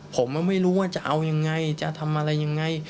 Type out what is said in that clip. ผมไม่รู้ว่าจะเอายังไงจะทำอะไรยังไง